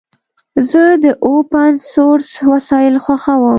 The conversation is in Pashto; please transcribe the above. زه د اوپن سورس وسایل خوښوم.